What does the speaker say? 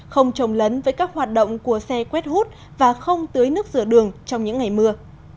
không trồng lấn với các hoạt động của xe quét hút và không tưới nước rửa đường trong những ngày mưa